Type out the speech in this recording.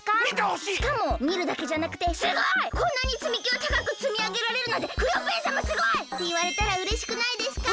しかもみるだけじゃなくて「すごい！こんなにつみきをたかくつみあげられるなんてクヨッペンさますごい！」っていわれたらうれしくないですか？